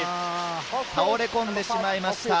倒れ込んでしまいました。